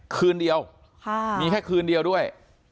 คืนเดียวมีแค่คืนเดียวด้วย